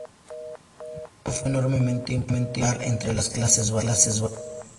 Esto fue enormemente impopular entre las clases bajas.